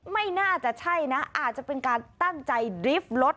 ไม่น่าจะใช่นะอาจจะเป็นการตั้งใจดรีฟรถ